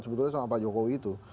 sebetulnya sama pak jokowi itu